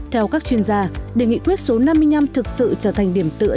theo các chuyên gia đề nghị quyết số năm mươi năm thực sự trở thành điểm tựa